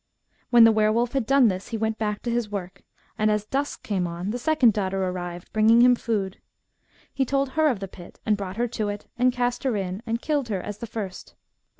When the were wolf had done this he went back to his work, and as dusk came on, the second daughter arrived, bringing him food. He told her of the pit, and brought her to it, and cast her in, and killed her as the first.